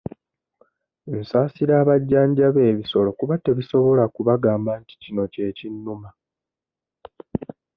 Nsaasira abajjanjaba ebisolo kuba tebisobola kubagamba nti kino kye kinnuma.